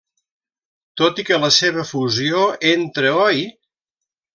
Tot i que la seva fusió entre Oi!